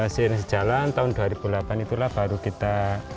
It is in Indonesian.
seiring sejalan tahun dua ribu delapan itulah baru kita